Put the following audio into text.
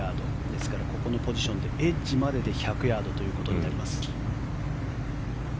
ですから、ここのポジションでエッジまでで１００ヤードとなります。